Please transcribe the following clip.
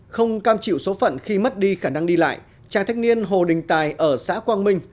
không cam chịu số phận khi mất đi khả năng đi lại chàng thanh niên hồ đình tài ở xã quang minh